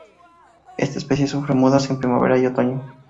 Esta especie sufre mudas en primavera y otoño.